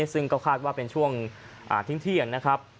ซึ่งก็คาดว่าเป็นช่วงทิ้งเที่ยงนะครับ